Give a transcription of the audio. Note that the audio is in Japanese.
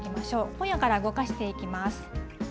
今夜から動かしていきます。